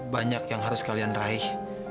banyak yang harus kalian raih